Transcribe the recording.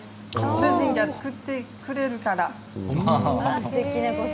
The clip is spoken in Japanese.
主人が作ってくれるから。